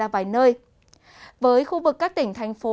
với khu vực các tỉnh thành phố